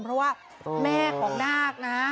เพราะว่าแม่ของนาคนะฮะ